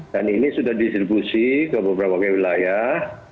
dan ini sudah distribusi ke beberapa wilayah